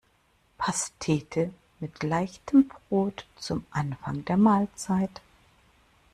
Pastete mit leichtem Brot zum Anfang der Mahlzeit.